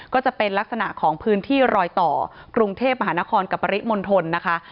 ก็จะเป็นลักษณะของพื้นที่รอยต่อกรุงเทพมหานครกับปริมณฑลนะคะ